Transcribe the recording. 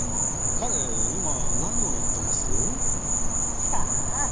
彼今何をやってます？さあ。